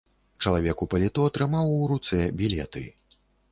Чалавек у паліто трымаў у руцэ білеты.